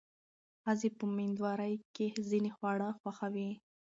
ښځې په مېندوارۍ کې ځینې خواړه خوښوي.